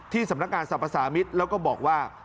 ที่สำนักการณ์สรรพสามิทแล้วก็บอกว่า